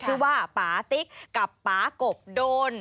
ชื่อว่าปาติ๊กกับป๊ากบโดน